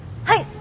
はい！